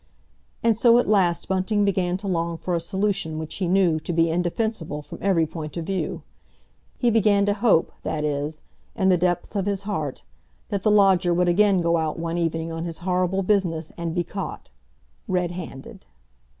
And so at last Bunting began to long for a solution which he knew to be indefensible from every point of view; he began to hope, that is, in the depths of his heart, that the lodger would again go out one evening on his horrible business and be caught—red handed.